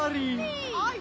はい！